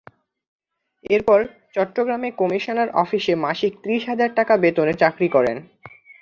এরপর চট্টগ্রামে কমিশনার অফিসে মাসিক ত্রিশ টাকা বেতনে চাকরি গ্রহণ করেন।